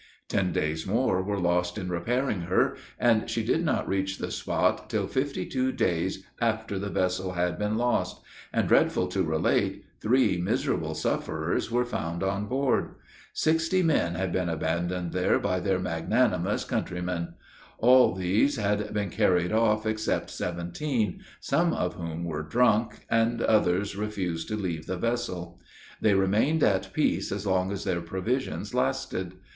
Ten days more were lost in repairing her; and she did not reach the spot till fifty two days after the vessel had been lost; and dreadful to relate, three miserable sufferers were found on board. Sixty men had been abandoned there by their magnanimous countrymen. All these had been carried off except seventeen, some of whom were drunk, and others refused to leave the vessel. They remained at peace as long as their provisions lasted.